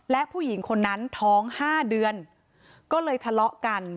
และผู้หญิงคนนั้นท้อง๕เดือนก็เลยทะเลาะกัน